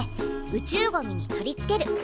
宇宙ゴミに取り付ける。